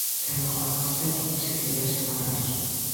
E logo hai un aspecto que si quería sinalar.